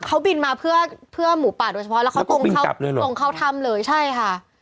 เขาบินมาเพื่อหมู่ป่าโดยเฉพาะแล้วก็ตรงเขาทำเลยใช่ค่ะ